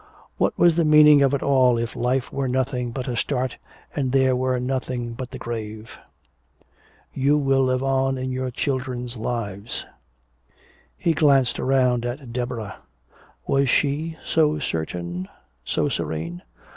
What was the meaning of it all if life were nothing but a start, and there were nothing but the grave? "You will live on in our children's lives." He glanced around at Deborah. Was she so certain, so serene?